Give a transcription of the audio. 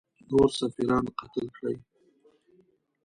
نور سفیران قتل کړي.